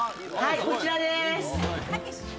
こちらです。